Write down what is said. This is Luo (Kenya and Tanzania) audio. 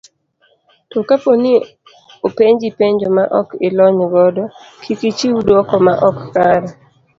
To kaponi openji penjo ma ok ilony godo, kik ichiw duoko ma ok kare.